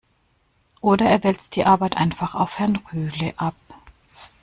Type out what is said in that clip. Oder er wälzt die Arbeit einfach auf Herrn Rühle ab.